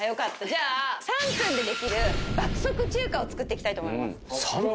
じゃあ３分でできる爆速中華を作っていきたいと思います。